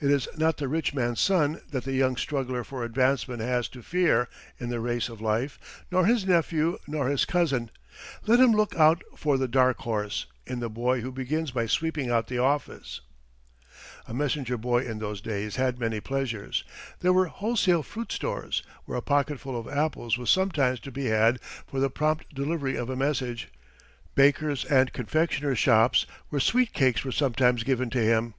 It is not the rich man's son that the young struggler for advancement has to fear in the race of life, nor his nephew, nor his cousin. Let him look out for the "dark horse" in the boy who begins by sweeping out the office. [Footnote 13: Died 1904.] [Footnote 14: Died 1889.] [Illustration: ROBERT PITCAIRN] A messenger boy in those days had many pleasures. There were wholesale fruit stores, where a pocketful of apples was sometimes to be had for the prompt delivery of a message; bakers' and confectioners' shops, where sweet cakes were sometimes given to him.